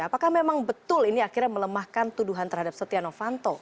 apakah memang betul ini akhirnya melemahkan tuduhan terhadap setia novanto